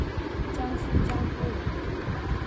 江苏江都人。